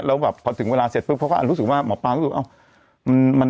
แล้วพอถึงเวลาเสร็จเพราะอันรู้สึกว่าหมอปลารู้สึกว่า